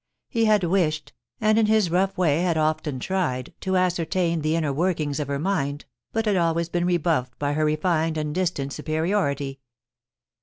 He had wished, and in his rough way had often tried, to ascertain the inner workings of her mind, but had always been re buffed by her refined and distant superiority.